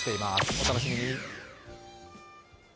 お楽しみに。